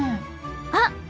あっ！